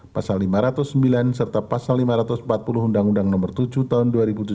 pasal lima ratus sembilan serta pasal lima ratus empat puluh undang undang nomor tujuh tahun dua ribu tujuh belas